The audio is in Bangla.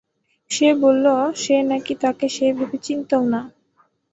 সে বলল, সে নাকি তাকে সেইভাবে চিনতও না।